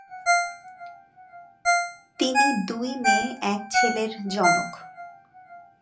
তিনি দুই মেয়ে, এক ছেলের জনক।